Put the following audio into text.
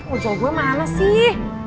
ojal gue mana sih